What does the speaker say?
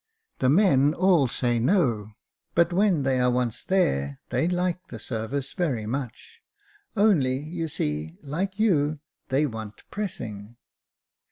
The men all say, ' No •,' but when they are once there, they like the service very much — only, you see, like you, they want pressing.